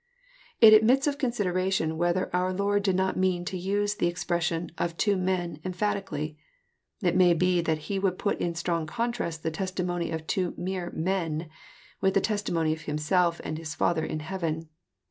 It admits of consideration whether onr Lord did not mean to use the expression " of two men " emphatically. It may be that He would put in strong contrast the testimony of two mere men, with the testimony of Himself and his Father in heaven.